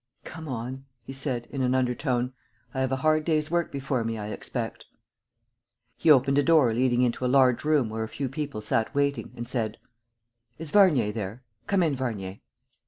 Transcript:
"Come on!" he said, in an undertone. "I have a hard day's work before me, I expect." He opened a door leading into a large room where a few people sat waiting, and said: "Is Varnier there? Come in, Varnier."